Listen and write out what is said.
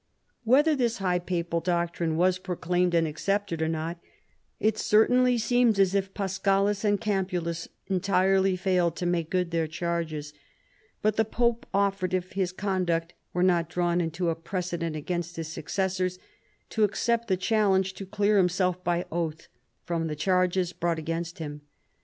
AVhether this high papal doctrine was proclaimed and accepted or not, it certainly seems as if Paschalis and Campulus entirely failed to make good their charges ; but the pope offered, if his conduct were not drawn into a precedent against his successors, to accept the challenge to clear himself by oath from the charges brought against him.